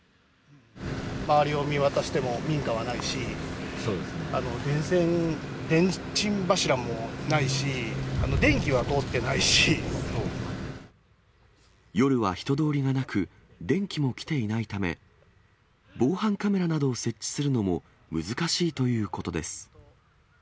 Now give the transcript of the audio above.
周りを見渡しても民家はないし、電信柱もないし、夜は人通りがなく、電気も来ていないため、防犯カメラなどを設置するのも難しいということです。